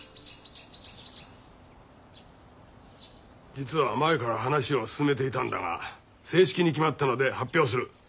実は前から話を進めていたんだが正式に決まったので発表する。